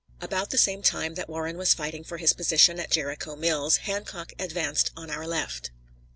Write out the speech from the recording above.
About the same time that Warren was fighting for his position at Jericho Mills, Hancock advanced on our left.